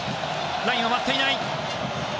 ラインは割っていない。